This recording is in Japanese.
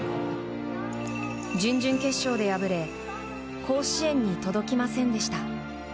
準々決勝で敗れ甲子園に届きませんでした。